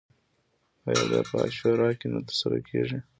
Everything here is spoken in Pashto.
آیا دا په عاشورا کې نه ترسره کیږي؟